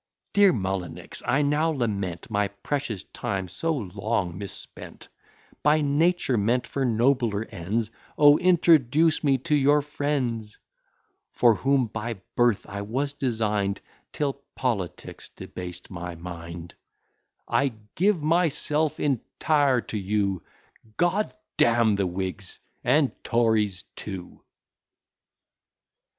Dear Mullinix, I now lament My precious time so long mispent, By nature meant for nobler ends: O, introduce me to your friends! For whom by birth I was design'd, Till politics debased my mind; I give myself entire to you; G d d n the Whigs and Tories too!